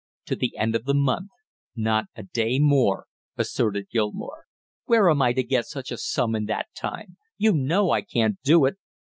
"To the end of the month, not a day more," asserted Gilmore. "Where am I to get such a sum in that time? You know I can't do it!"